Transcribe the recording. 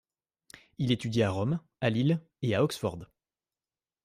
Il étudie à Rome, à Lille et à Oxford.